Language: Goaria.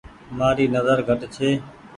مآري نزر گھٽ ڇي۔